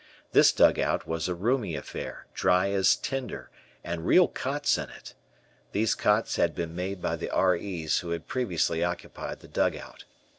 This dugout was a roomy affair, dry as tinder, and real cots in it. These cots had been made by the R.E.'s who had previously occupied the dugout.